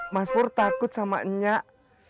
mas pur takut sama nyak